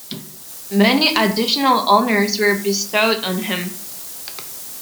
Many additional honors were bestowed on him.